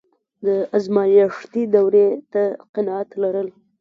د ازمایښتي دورې نه قناعت لرل.